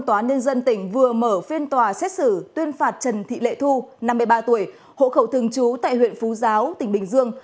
tòa nhân dân tỉnh vừa mở phiên tòa xét xử tuyên phạt trần thị lệ thu năm mươi ba tuổi hộ khẩu thường trú tại huyện phú giáo tỉnh bình dương